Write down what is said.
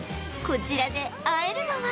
こちらで会えるのは